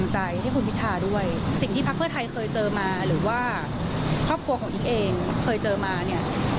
เจอมาหรือว่าครอบครัวของอิ๊กเองเคยเจอมาเนี่ย